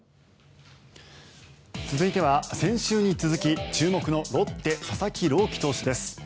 続いては先週に続き注目のロッテ、佐々木朗希投手です。